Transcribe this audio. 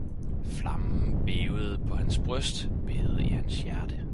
Flammen bævede på hans bryst, bævede i hans hjerte